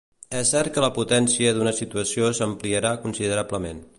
És cert que la potència d'una situació s'ampliarà considerablement